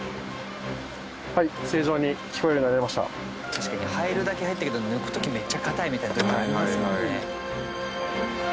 確かに入るだけ入ったけど抜く時めっちゃかたいみたいな時ありますもんね。